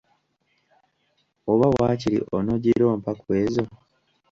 Oba waakiri onoogira ompa kw’ezo.